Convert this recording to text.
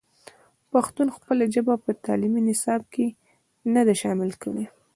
پښتنو خپله ژبه په تعلیمي نصاب کې نه ده شامل کړې.